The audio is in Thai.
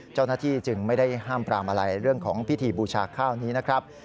เจ้าหน้าที่จึงไม่ได้ห้ามปรามอะไรเรื่องของพิธีบูชาข้าวนี้นะครับ